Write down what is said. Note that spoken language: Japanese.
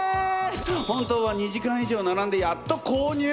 本当は２時間以上並んでやっと購入！